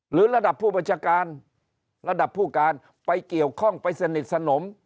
ระดับผู้บัญชาการระดับผู้การไปเกี่ยวข้องไปสนิทสนม